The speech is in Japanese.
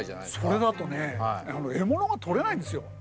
それだとね獲物がとれないんですよ。